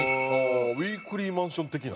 ウィークリーマンション的な。